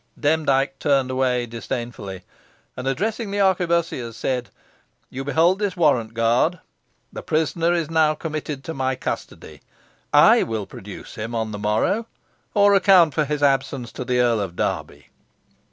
Demdike turned away disdainfully, and addressing the arquebussiers, said, "You behold this warrant, guard. The prisoner is committed to my custody. I will produce him on the morrow, or account for his absence to the Earl of Derby."